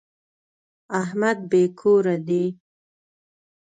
احمد بې کوره دی.